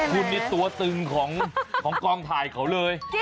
คุณนี่ตัวตึงของกองถ่ายเขาเลย